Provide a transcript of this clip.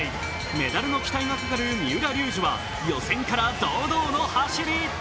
メダルの期待がかかる三浦龍司は予選から堂々の走り。